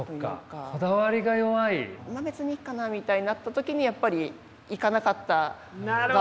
「別にいいかな」みたいになった時にやっぱりいかなかったばっかりに。